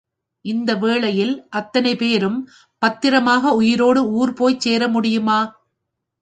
இந்த வேளையில், அத்தனைபேரும் பத்திரமாக உயிரோடு ஊர் போய் சேர முடியுமா?